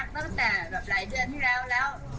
ตั้งแต่แบบหลายเดือนที่แล้วแล้ว